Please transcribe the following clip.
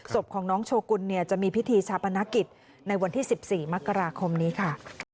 ศพของน้องโชกุลเนี่ยจะมีพิธีชาปนกิจในวันที่๑๔มกราคมนี้ค่ะ